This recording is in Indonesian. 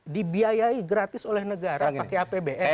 dibiayai gratis oleh negara pakai apbn